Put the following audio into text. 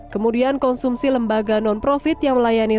kemudian konsumsi lembaga non profit yang melayani